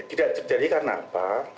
tidak terjadi karena apa